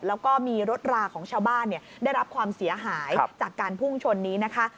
แล้วก็มีรถราของชาวบ้านได้รับความเสียหายจากการพุ่งชนนี้นะคะ